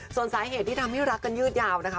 ส่วนสาเหตุที่ทำให้รักกันยืดยาวนะคะ